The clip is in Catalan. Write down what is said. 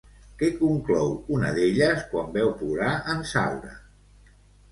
Què conclou una d'elles quan veu plorar en Saura?